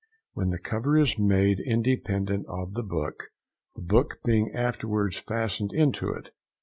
—When the cover is made independent of the book, the book being afterwards fastened into it.